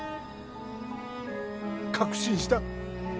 確信した